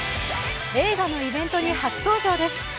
映画のイベントに初登場です。